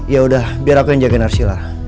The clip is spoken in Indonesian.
ya udah biar aku yang jagain arshila